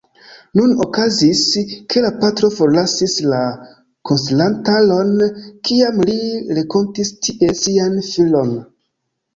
Nun okazis, ke la patro forlasis la konsilantaron, kiam li renkontis tie sian filon.